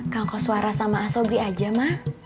kang koswara sama asobri aja mak